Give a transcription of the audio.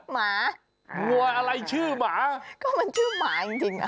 หมาัวอะไรชื่อหมาก็มันชื่อหมาจริงจริงอ่ะ